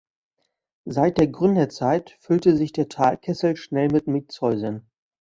Seit der Gründerzeit füllte sich der Talkessel schnell mit Mietshäusern.